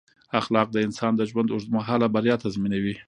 اخلاق د انسان د ژوند اوږد مهاله بریا تضمینوي.